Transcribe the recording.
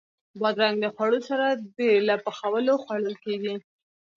بادرنګ د خوړو سره بې له پخولو خوړل کېږي.